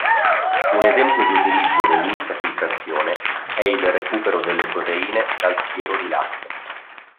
Un esempio di utilizzo dell'ultrafiltrazione è il recupero delle proteine dal siero di latte.